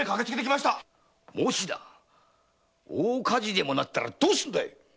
もし大火事になったらどうするんだ！